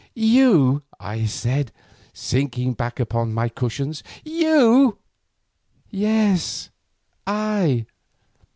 "You!" I said, sinking back upon my cushions. "You!" "Yes, I.